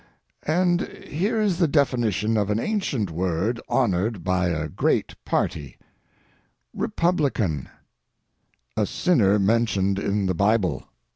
And here is the definition of an ancient word honored by a great party: Republican—a sinner mentioned in the Bible.